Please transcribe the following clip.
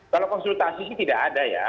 kalau konsultasi sih tidak ada ya